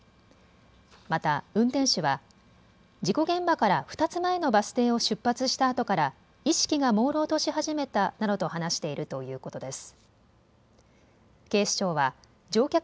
また運転手は事故現場から２つ前のバス停を出発したあとから意識がもうろうとし始めたなどと話しているということです。